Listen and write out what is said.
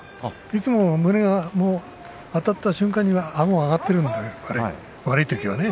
いつも、胸があたった瞬間にあごが上がっている悪い時はね。